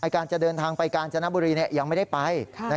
การจะเดินทางไปกาญจนบุรียังไม่ได้ไป